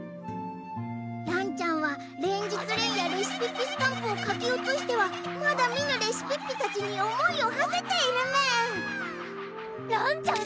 らんちゃんは連日連夜レシピッピスタンプをかき写してはまだ見ぬレシピッピたちに思いをはせているメンらんちゃん